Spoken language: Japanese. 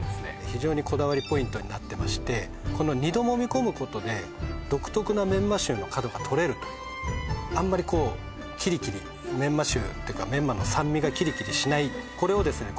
非常にこだわりポイントになってましてこの２度揉み込むことで独特なメンマ臭の角が取れるとあんまりこうキリキリメンマ臭てかメンマの酸味がキリキリしないこれをですね